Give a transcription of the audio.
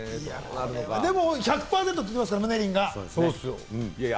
でも１００％って言ってますからムネリンが。